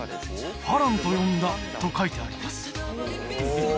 「花郎と呼んだ」と書いてあります